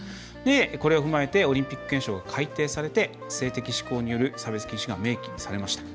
これを踏まえてオリンピック憲章が改定されて性的指向による差別禁止が明記されました。